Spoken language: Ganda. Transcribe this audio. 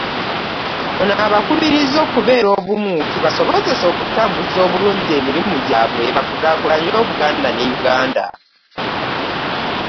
Ono abakubirizza okubeera obumu kibasobozese okutambuza obulungi emirimu gyabwe bakulaakulanye Obuganda ne Uganda.